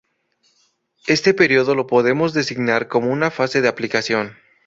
Este periodo lo podemos designar como una fase de aplicación.